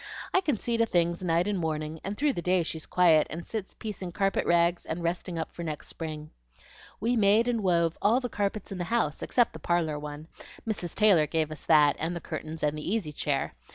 I can see to things night and morning, and through the day she's quiet, and sits piecing carpet rags and resting up for next spring. We made and wove all the carpets in the house, except the parlor one. Mrs. Taylor gave us that, and the curtains, and the easy chair.